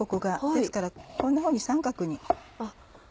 ですからこんなふうに三角に。